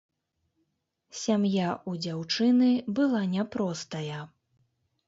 Сям'я ў дзяўчыны была няпростая.